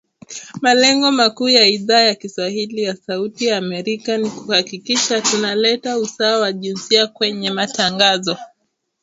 Malengo makuu ya Idhaa ya kiswahili ya Sauti ya Amerika ni kuhakikisha tuna leta usawa wa jinsia kwenye matangazo